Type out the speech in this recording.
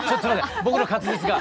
僕の滑舌が。